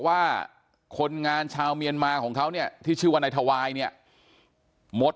ว่าคนงานชาวเมียนมาของเขาเนี่ยที่ชื่อว่านายทวายเนี่ยมด